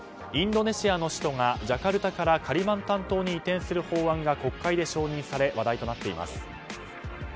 インドネシアの首都がジャカルタからカリマンタン島に移転する法案が国会で承認され話題になっています。